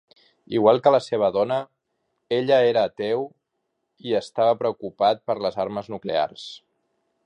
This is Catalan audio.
Igual que la seva dona, ella era ateu i estava preocupat per les armes nuclears.